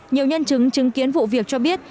nhiều nhân chứng chứng kiến vụ việc cho biết